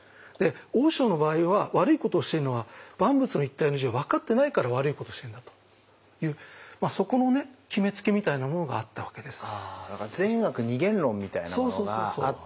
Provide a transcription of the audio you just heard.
大塩の場合は悪いことをしてるのは「万物一体の仁」を分かってないから悪いことをしてるんだというそこのね決めつけみたいなものがあったわけです。